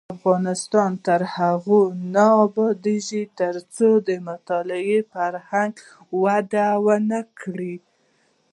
افغانستان تر هغو نه ابادیږي، ترڅو د مطالعې فرهنګ وده ونه کړي.